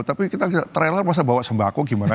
tapi kita trailer masa bawa sembako gimana